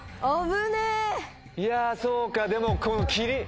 いやそうかでもこの「きり」。